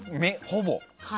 ほぼ。